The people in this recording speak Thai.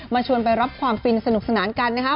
ชวนไปรับความฟินสนุกสนานกันนะครับ